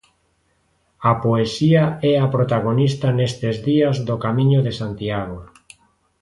A poesía é a protagonista nestes días do Camiño de Santiago.